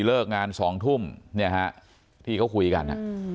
เลิกงาน๒ทุ่มที่เขาคุยกัน